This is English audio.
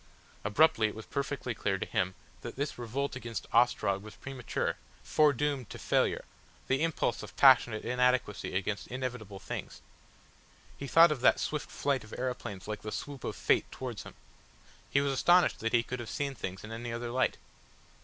Abruptly it was perfectly clear to him that this revolt against Ostrog was premature, foredoomed to failure, the impulse of passionate inadequacy against inevitable things. He thought of that swift flight of aeroplanes like the swoop of Fate towards him. He was astonished that he could have seen things in any other light.